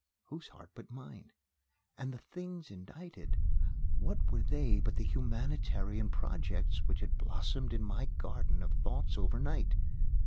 Whose heart but mine? And the things indited what were they but the humanitarian projects which had blossomed in my garden of thoughts over night?